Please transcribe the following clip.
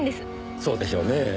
そうでしょうね。